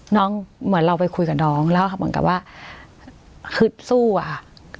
เหมือนเราไปคุยกับน้องแล้วเหมือนกับว่าฮึดสู้อะค่ะ